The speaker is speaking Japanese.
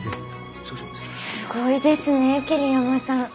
すごいですね桐山さん。